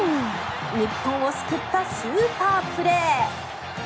日本を救ったスーパープレー。